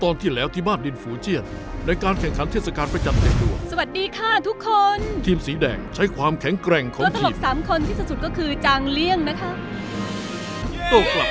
ไม่มีเวลาแล้วเพราะวิธีทำไส้ไวแดงผิดพลาด